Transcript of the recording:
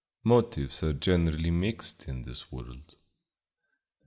Motives are generally mixed in this world.